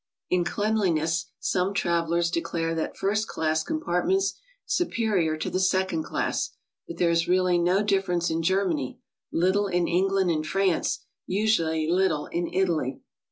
In cleanliness some travelers declare the first class com partments superior to the second class, but there is really no difference in Germany, little in England and France, usually little in Italy.